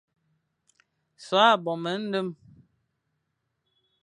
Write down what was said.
So a bo me nlem,